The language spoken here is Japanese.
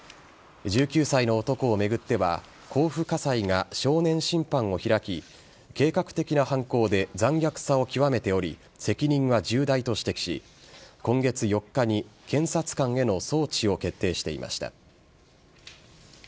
１９歳の男を巡っては甲府家裁が少年審判を開き計画的な犯行で残虐さを極めており責任は重大と指摘し今月４日に検察官への送致を決定していました。